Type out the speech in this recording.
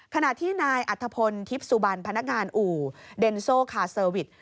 ขณะที่นายอัธพลทิพย์สุบันพนักงานอู่เดนโซคาเซอร์วิส